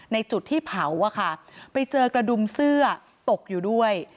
ในจุดที่เผาอะค่ะไปเจอกระดุมเสื้อตกอยู่ด้วย